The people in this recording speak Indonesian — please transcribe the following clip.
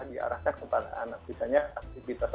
diarahkan kepada anak misalnya aktivitas